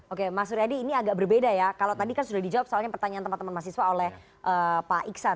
oke mas suryadi ini agak berbeda ya kalau tadi kan sudah dijawab soalnya pertanyaan teman teman mahasiswa oleh pak iksan